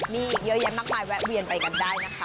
มีเยอะแยะมากมายแวะเวียนไปกันได้นะคะ